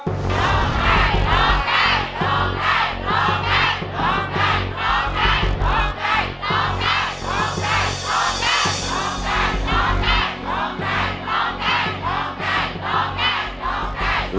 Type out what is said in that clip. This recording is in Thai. ร้องได้ร้องได้ร้องได้